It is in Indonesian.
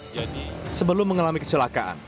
jadi sebelum mengalami kecelakaan